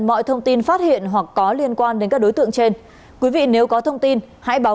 mọi thông tin phát hiện hoặc có liên quan đến các đối tượng trên quý vị nếu có thông tin hãy báo